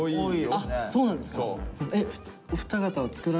あそうなんですか。